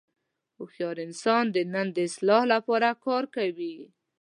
هوښیار انسان د نن د اصلاح لپاره کار کوي.